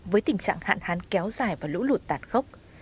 với tình trạng hạn hán kéo dài và lũ lụt tàn khốc